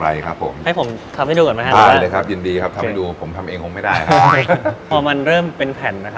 อ๋อให้มันหลุดจากตัวม่อของมันก่อน